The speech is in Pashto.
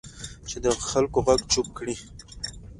چې د خلکو غږ چپ کړي